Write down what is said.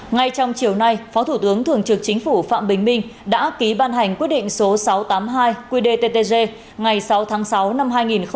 ngay trong chiều nay phó thủ tướng thường trực chính phủ phạm bình minh đã ký ban hành quyết định số sáu trăm tám mươi hai qdttg ngày sáu tháng sáu năm hai nghìn một mươi chín